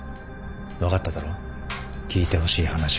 分かっただろ聞いてほしい話が何か。